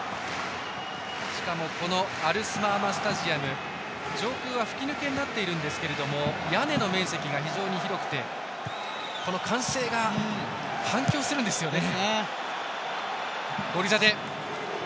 しかもこのアルスマーマスタジアム上空は吹き抜けになっているんですけども屋根の面積が非常に広くてこの歓声が反響するんですよね。